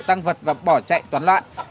tăng vật và bỏ chạy toán loạn